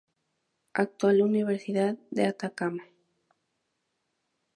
Actual Universidad de Atacama.